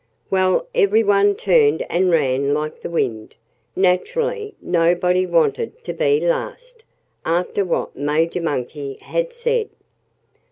Well, everyone turned and ran like the wind. Naturally, nobody wanted to be last, after what Major Monkey had said.